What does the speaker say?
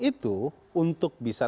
itu untuk bisa